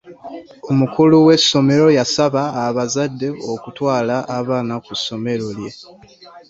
Omukulu w'essomero yasaba abazadde okutwala abaana ku ssomero lye.